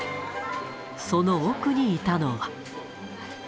その奥にいたのは。